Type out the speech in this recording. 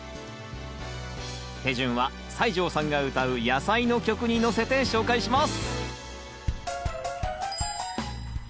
手順は西城さんが歌う野菜の曲にのせて紹介します！